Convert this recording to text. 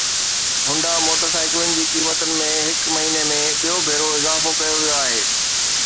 Honda موٽرسائيڪلن جي قيمتن ۾ هڪ مهيني ۾ ٻيو ڀيرو اضافو ڪيو ويو آهي